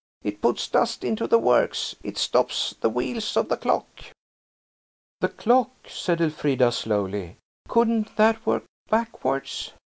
It puts dust into the works. It stops the wheels of the clock." "The clock!" said Elfrida slowly. "Couldn't that work backwards?"